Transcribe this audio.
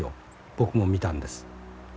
僕も見たんです』。